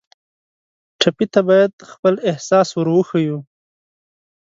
ټپي ته باید خپل احساس ور وښیو.